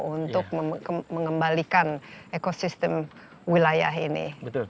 untuk mengembalikan ekosistem wilayah ini